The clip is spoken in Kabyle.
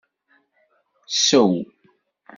Sew!